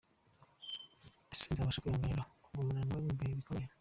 Ese nzabasha kwihanganira kugumana nawe mu bihe bikomeye.